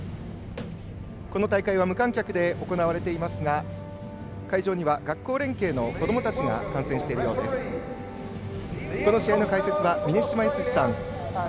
この大会は無観客で行われていますが会場には学校連携の子どもたちが観戦しているようです。